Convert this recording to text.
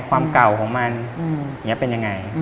ความเก่าของมันเป็นยังไง